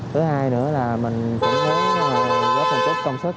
thứ hai nữa là mình cũng muốn góp một chút công sức